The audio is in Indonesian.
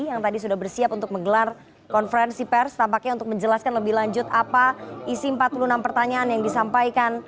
yang tadi sudah bersiap untuk menggelar konferensi pers tampaknya untuk menjelaskan lebih lanjut apa isi empat puluh enam pertanyaan yang disampaikan